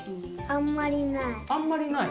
あんまりない。